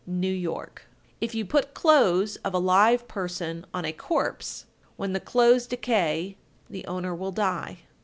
New York. 1269. If you put clothes of a live person on a corpse, when the clothes decay the owner will die.